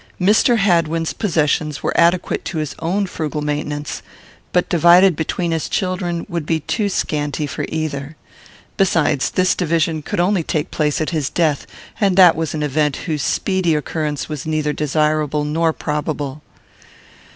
Mr. Hadwin's possessions were adequate to his own frugal maintenance, but, divided between his children, would be too scanty for either. Besides, this division could only take place at his death, and that was an event whose speedy occurrence was neither desirable nor probable.